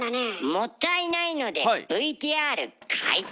もったいないのでＶＴＲ回転。